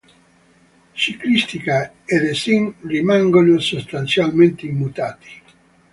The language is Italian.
Ciclistica e design rimangono sostanzialmente immutati.